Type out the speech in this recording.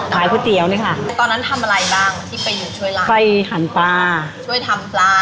ขายผัวเตี๋ยวนะคะตอนนั้นทำอะไรบ้างที่ไปอยู่ช่วยร้านไปหันปลาช่วยทำปลา